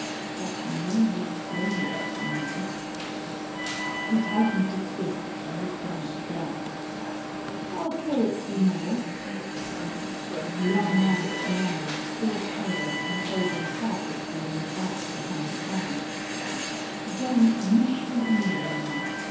But to know what grownups knew.... He tightened his fists and looked down at the grass. "I'll play it some more." The young man smiled, still pale and holding half his feelings back behind a dam. _Then mesh with me a moment.